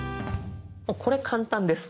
これ簡単です。